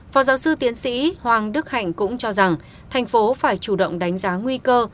phó giáo sư tiến sĩ hoàng đức hạnh cũng cho rằng thành phố phải chủ động đánh giá nguy cơ